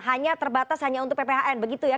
hanya terbatas hanya untuk pphn begitu ya